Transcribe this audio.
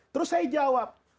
terus saya jawab